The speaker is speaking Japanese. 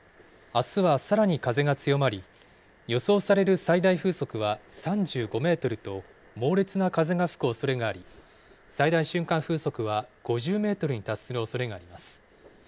あすはさらに風が強まり、予想される最大風速は３５メートルと、猛烈な風が吹くおそれがあり、最大瞬間風速は５０メートルに達するおそれがあります。